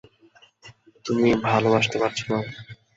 তুমি ভালোবাসতে পারছ না।